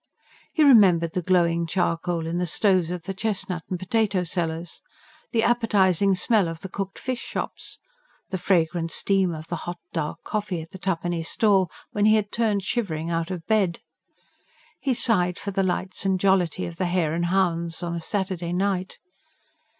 He remembered the glowing charcoal in the stoves of the chestnut and potato sellers; the appetising smell of the cooked fish shops; the fragrant steam of the hot, dark coffee at the twopenny stall, when he had turned shivering out of bed; he sighed for the lights and jollity of the "Hare and Hounds" on a Saturday night.